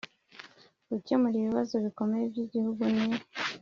Gukemura ibibazo bikomeye by’igihugu ni